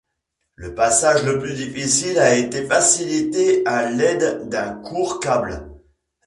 Le passage le plus difficile a été facilité à l'aide d'un court câble.